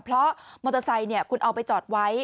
เพราะมอเตอร์ไซค์คุณเอาไปจอดไว้